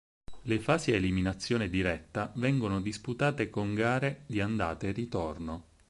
Le fasi a eliminazione diretta vengono disputate con gare di andata e ritorno.